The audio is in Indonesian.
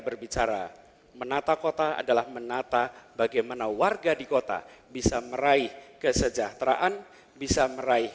berbicara menata kota adalah menata bagaimana warga di kota bisa meraih kesejahteraan bisa meraih